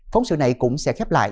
phóng sự này cũng sẽ khép lại